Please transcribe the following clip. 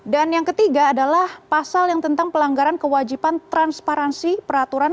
dan yang ketiga adalah pasal yang tentang pelanggaran kewajiban transparansi peraturan